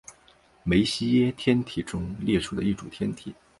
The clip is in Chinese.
梅西耶天体中列出的一组天体。